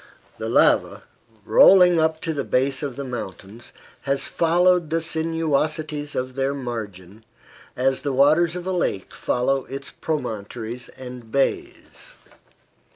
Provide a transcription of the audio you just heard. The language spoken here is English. The lava, rolling up to the base of the mountains, has followed the sinuosities of their margin, as the waters of a lake follow its promontories and bays.